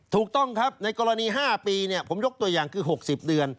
ถูกต้องครับในกรณี๕ปีผมยกตัวอย่างคือ๖๐เดือน